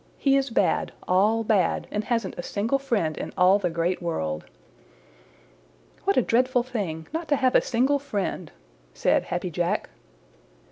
He is bad, all bad, and hasn't a single friend in all the Great World." "What a dreadful thing not to have a single friend," said Happy Jack.